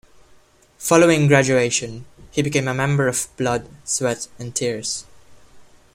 Following graduation, he became a member of Blood, Sweat and Tears.